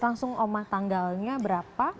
langsung oma tanggalnya berapa